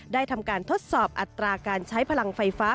ทำการทดสอบอัตราการใช้พลังไฟฟ้า